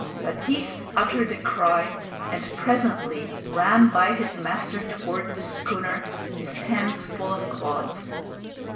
Baptiste uttered a cry and presently ran by his master toward the schooner, his hands full of clods.